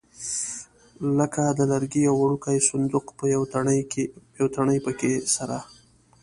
لکه د لرګي یو وړوکی صندوق په یوه تڼۍ پکې سره.